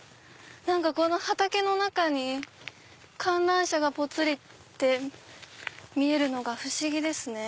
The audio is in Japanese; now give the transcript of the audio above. この畑の中に観覧車がぽつりって見えるのが不思議ですね。